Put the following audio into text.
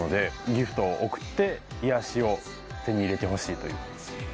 ギフトを贈って癒やしを手に入れてほしいという。